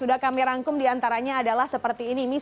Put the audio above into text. apa yang terjadi